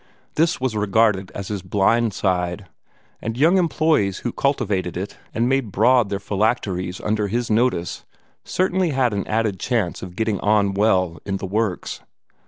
This was regarded as his blind side; and young employees who cultivated it, and made broad their phylacteries under his notice, certainly had an added chance of getting on well in the works.